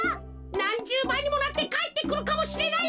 なんじゅうばいにもなってかえってくるかもしれないよな。